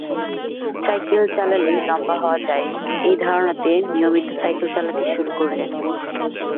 Cycle চালালেই লম্বা হওয়া যায়—এই ধারণাতে নিয়মিত সাইকেল চালাতে শুরু করলেন।